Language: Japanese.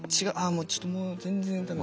もうちょっともう全然ダメだ。